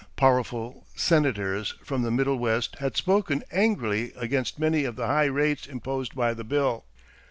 Powerful Senators from the Middle West had spoken angrily against many of the high rates imposed by the bill.